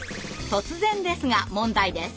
突然ですが問題です。